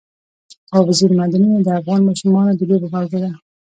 اوبزین معدنونه د افغان ماشومانو د لوبو موضوع ده.